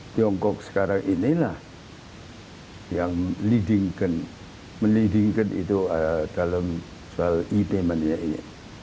tiongkok sekarang inilah yang melidingkan itu dalam soal e payment nya ini